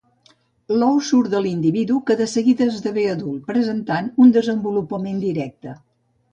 L'ou surt de l'individu que de seguida esdevé en adult, presentant un desenvolupament directe.